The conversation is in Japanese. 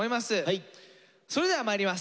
それではまいります。